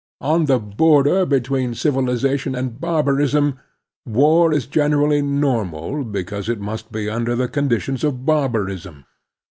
On the border between civilization and barbarism war is generally normal because it must be under the conditions of barbarism.